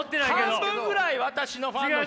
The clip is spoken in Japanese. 半分ぐらい私のファンの人！